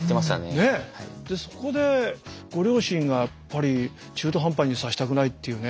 そこでご両親がやっぱり中途半端にさせたくないっていうね。